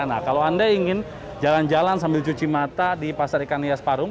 nah kalau anda ingin jalan jalan sambil cuci mata di pasar ikan hias parung